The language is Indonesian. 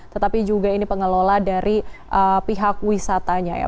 tetapi juga ini pengelola dari pihak wisatanya ya